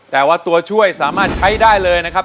แต่ว่าตัวช่วยสามารถใช้ได้เลยนะครับ